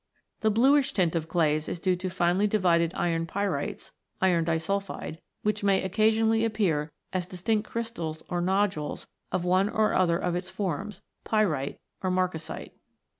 The bluish tint of clays is due to finely divided iron pyrites (iron disulphide), which may occasionally appear as distinct crystals or nodules of one or other of its forms, pyrite or marcasite.